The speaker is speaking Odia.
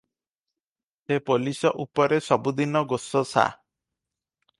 ସେ ପୋଲିଶ ଉପରେ ସବୁଦିନ ଗୋସସା